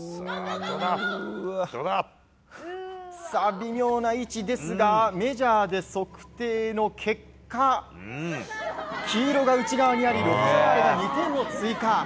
微妙な位置ですがメジャーで測定の結果黄色が内にありロコ・ソラーレが２点を追加。